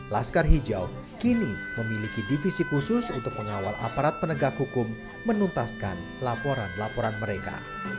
laskar hijau kini memiliki divisi khusus untuk mengawal aparat penegak hukum menuntaskan laporan laporan mereka